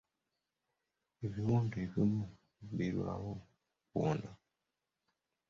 Ebiwundu ebimu birwawo okuwona.